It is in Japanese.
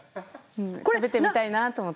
食べてみたいなと思って。